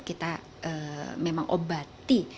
kita memang obati